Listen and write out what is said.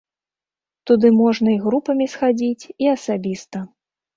Туды можна і групамі схадзіць, і асабіста.